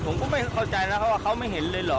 ผมก็ไม่เข้าใจแล้วเขาว่าเขาไม่เห็นเลยเหรอ